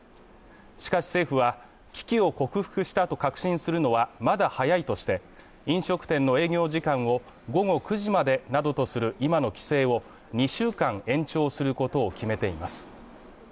しかし政府は危機を克服したと確信するのはまだ早いとして飲食店の営業時間を午後９時までなどとする今の規制を２週間延長することを決めています